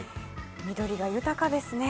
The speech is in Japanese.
緑が豊かですね。